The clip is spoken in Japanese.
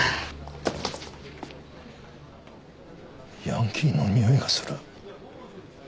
ヤンキーのにおいがする。